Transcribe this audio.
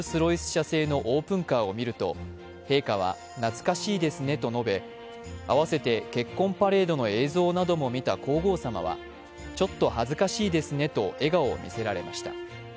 社製のオープンカーを見ると、陛下はなつかしいですねと述べ併せて結婚パレードの映像なども見た皇后さまは、「ちょっと恥ずかしいですね」と笑顔を見せられました。